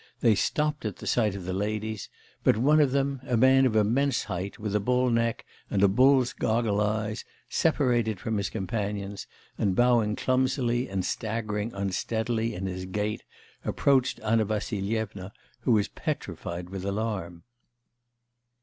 They stopped at the sight of the ladies; but one of them, a man of immense height, with a bull neck and a bull's goggle eyes, separated from his companions, and, bowing clumsily and staggering unsteadily in his gait, approached Anna Vassilyevna, who was petrified with alarm.